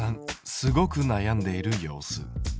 すごく悩んでいる様子。